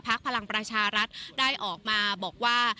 พลังประชารัฐได้ออกมาบอกว่า